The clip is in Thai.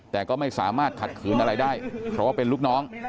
แต่ก็ไม่สามารถขัดขืนอะไรได้เพราะว่าเป็นลูกน้อง